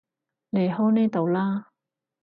離開呢度啦